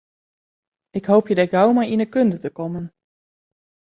Ik hoopje dêr gau mei yn de kunde te kommen.